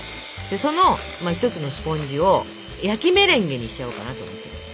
その１つのスポンジを焼きメレンゲにしちゃおうかなと思って。